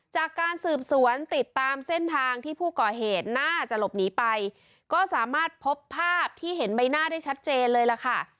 จากการสืบสวนติดตามเส้นทางที่ผู้ก่อเหตุน่าจะหลบหนีไปก็สามารถพบภาพที่เห็นใบหน้าได้ชัดเจนเลยล่ะค่ะ